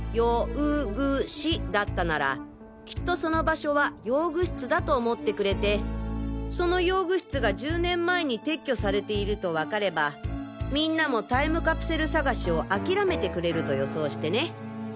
「う」「ぐ」「し」だったならきっとその場所は用具室だと思ってくれてその用具室が１０年前に撤去されているとわかればみんなもタイムカプセル探しを諦めてくれると予想してね。